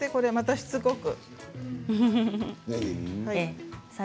しつこく。